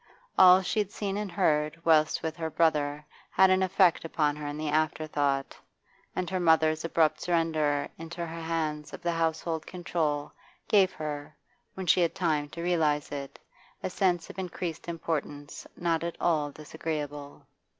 All she had seen and heard whilst with her brother had an effect upon her in the afterthought, and her mother's abrupt surrender into her hands of the household control gave her, when she had time to realise it, a sense of increased importance not at all disagreeable.